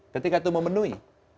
ketika itu memenuhi